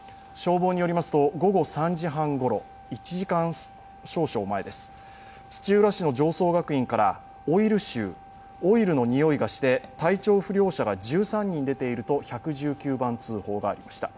今日午後３時半ごろ、１時間少々前です、土浦市の常総学院からオイルのにおいがして体調不良者が１３人出ていると１１９番通報がありました。